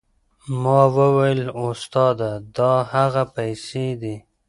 ما وويل استاده دا هغه پيسې دي.